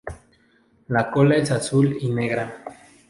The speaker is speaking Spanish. La cola es azul y negra.